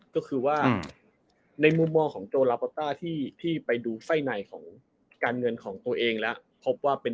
ก็คือว่าในมุมมองของโจรับป๊อตต้าที่ไปดูใส่ในของการเงินของตัวเองแล้ว